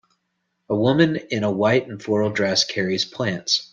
A woman in a white and floral dress carries plants.